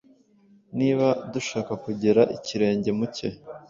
Niba dushaka kugera ikirenge mu cye,